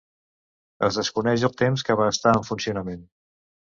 Es desconeix el temps que va estar en funcionament.